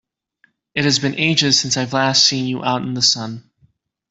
It has been ages since I've last seen you out in the sun!